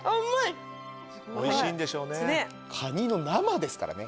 カニの生ですからね。